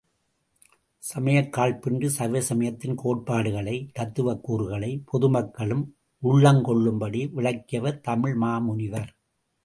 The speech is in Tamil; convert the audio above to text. சமயக்காழ்ப்பின்றி சைவசமயத்தின் கோட்பாடுகளை, தத்துவக் கூறுகளை பொதுமக்களும் உள்ளம் கொள்ளும்படி விளக்கியவர் தமிழ் மாமுனிவர்.